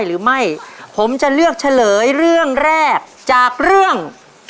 หรือไม่ผมจะเลือกเฉลยเรื่องแรกจากเรื่อง